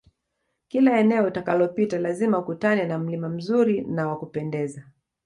Kila eneo utakalopita lazima ukutane na mlima mzuri na wa kupendeza